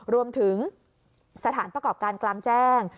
รวมถึงสถานประกอบการกลางแจ้ง